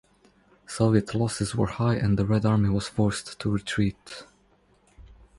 Soviet losses were high and the Red Army was forced to retreat.